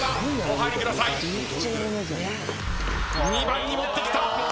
２番に持ってきた。